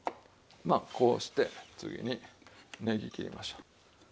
まあこうして次にねぎ切りましょう。